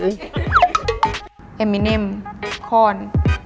เอมิเนมคอน